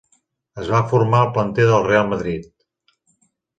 Es va formar al planter del Reial Madrid.